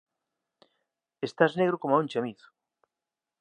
Estás negro coma un chamizo.